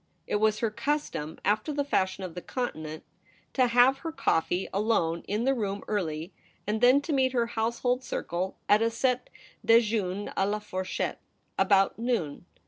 It was her custom, after the fashion of the Continent, to have her coffee alone in the room early, and then to meet her household circle at a set dejeuner a la foti7'chette about noon.